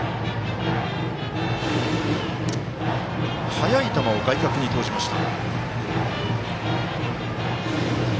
速い球を外角に投じました。